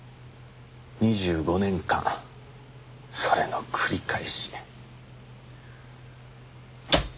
２５年間それの繰り返し。